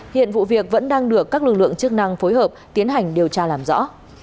hiện vụ việc vẫn đang được các lực lượng chức năng phối hợp tiến hành điều tra làm rõ